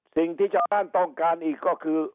สิ่งที่ชาวบ้านต้องการอีกก็คือ